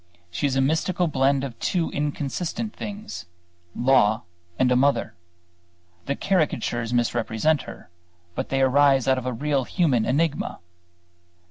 She is a mystical blend of two inconsistent things law and a mother. The caricatures misrepresent her; but they arise out of a real human enigma.